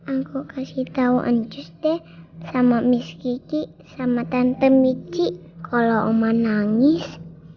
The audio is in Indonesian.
aku kasih tau ancus deh sama miss kiki sama tante mici kalau oma nangis